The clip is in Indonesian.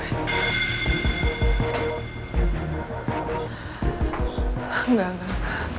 gak gak gak